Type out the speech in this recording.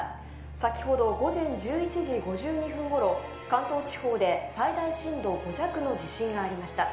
先ほど午前１１時５２分頃関東地方で最大震度５弱の地震がありました